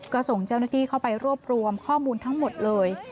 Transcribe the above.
ก็ส่งเจ้าหน้าที่เข้าไปรวบรวมข้อมูลทั้งหมดเลย